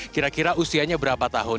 kira kira usianya berapa tahun